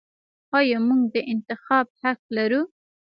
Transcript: آیا موږ د انتخاب حق نلرو؟